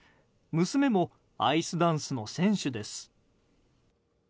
娘もアイスダンスの選手です。